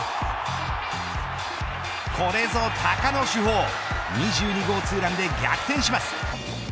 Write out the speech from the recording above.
これぞ鷹の主砲２２号２ランで逆転します。